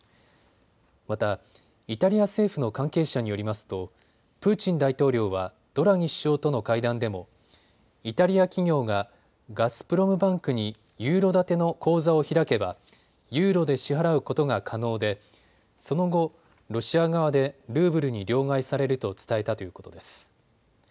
また、イタリア政府の関係者によりますとプーチン大統領はドラギ首相との会談でもイタリア企業がガスプロムバンクにユーロ建ての口座を開けばユーロで支払うことが可能でその後、ロシア側でルーブルに両替されると伝えたということです。